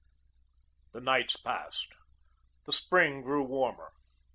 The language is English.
The nights passed. The spring grew warmer.